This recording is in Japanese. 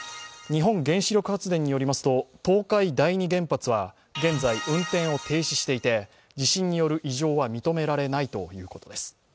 日本原子力発電によりますと東海第二原発は現在運転を停止していて、地震による異常は認められないということです。